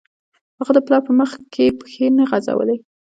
هغه د پلار په مخکې پښې نه غځولې